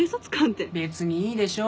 別にいいでしょ。